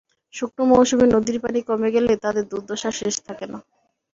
শুকনো মৌসুমে নদীর পানি কমে গেলে তাদের দুর্দশার শেষ থাকে না।